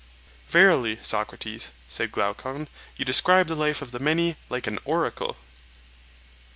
Verily, Socrates, said Glaucon, you describe the life of the many like an oracle.